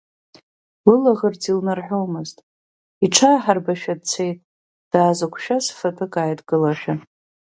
Лылаӷырӡ илнарҳәомызт, иҽааҳарбашәа дцеит, даазықәшәаз фатәқәак ааидкылашәа.